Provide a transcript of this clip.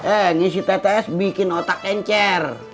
eh ngisi tts bikin otak kencer